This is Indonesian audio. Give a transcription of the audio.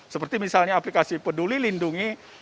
seperti misalnya aplikasi peduli lindungi